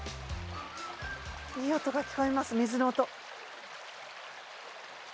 いい音が聞こえます水の音